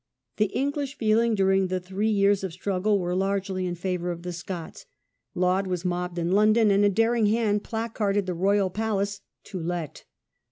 The English feeling during the three years of struggle was largely in favour of the Scots. Laud was mobbed in London, and a daring hand placarded the Royal Palace "to let".